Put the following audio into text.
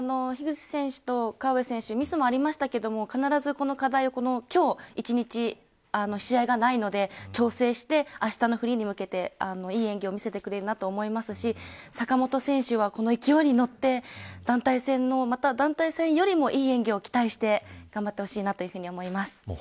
樋口選手と河辺選手ミスもありましたが必ずこの課題を今日一日試合がないので、調整してあしたのフリーに向けていい演技を見せてくれるなと思いますし、坂本選手はこの勢いに乗って団体戦よりもいい演技を期待して頑張ってほしいと思います。